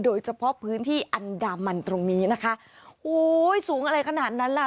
โดยเฉพาะพื้นที่อันดามันตรงนี้นะคะโอ้ยสูงอะไรขนาดนั้นล่ะ